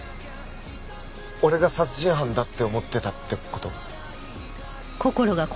俺が殺人犯だって思ってたって事？